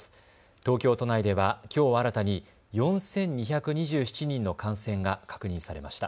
東京都内ではきょう新たに４２２７人の感染が確認されました。